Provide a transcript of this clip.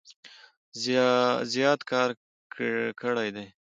زيات کار کړي دی